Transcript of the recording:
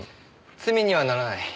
罪にはならない。